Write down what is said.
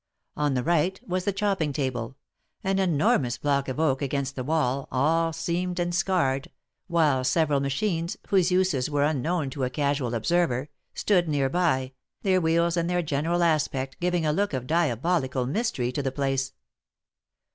On the right was the chopping table, an enormous block of oak against the wall, all seamed and scarred, while several machines, whose uses were unknown to a casual observer, stood near by, their wheels and their general aspect giving a look of diabolical mystery to the place.